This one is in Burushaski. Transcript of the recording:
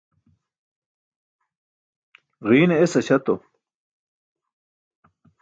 Ġiine es aśatu.